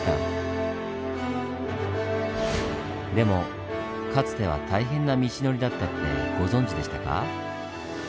でもかつては大変な道のりだったってご存じでしたか？